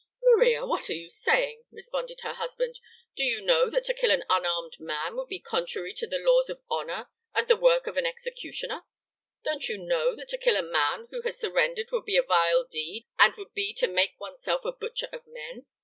"Maria, what are you saying?" responded her husband. "Don't you know that to kill an unarmed man would be contrary to the laws of honor and the work of an executioner? Don't you know that to kill a man who had surrendered would be a vile deed and would be to make one's self a butcher of men?